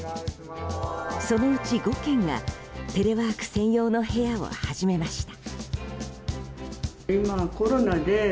そのうち５軒がテレワーク専用の部屋を始めました。